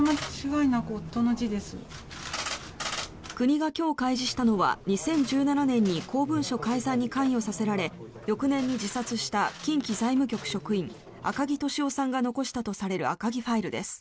国が今日、開示したのは２０１７年に公文書改ざんに関与させられ翌年に自殺した近畿財務局職員赤木俊夫さんが残したとされる赤木ファイルです。